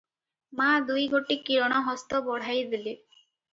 ମା’ ଦୁଇ ଗୋଟି କିରଣ ହସ୍ତ ବଢ଼ାଇ ଦେଲେ।